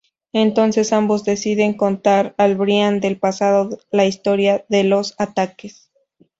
Entonces ambos deciden contar al Brian del pasado la historia de los ataques.